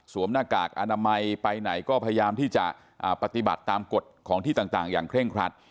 หน้ากากอนามัยไปไหนก็พยายามที่จะปฏิบัติตามกฎของที่ต่างอย่างเคร่งครัด